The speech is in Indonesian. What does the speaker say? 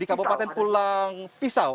di kabupaten pulang sisau